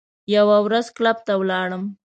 یوه ورځ کلب ته ولاړم.